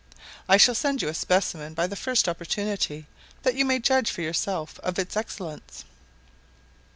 I shall send you a specimen by the first opportunity, that you may judge for yourself of its excellence.